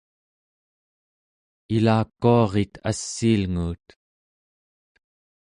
ilakuarit assiilnguut